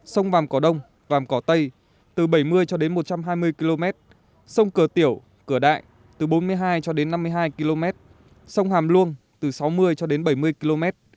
sông vàm cỏ đông vàm cỏ tây từ bảy mươi cho đến một trăm hai mươi km sông cửa tiểu cửa đại từ bốn mươi hai cho đến năm mươi hai km sông hàm luông từ sáu mươi cho đến bảy mươi km